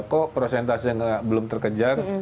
kok prosentasinya belum terkejar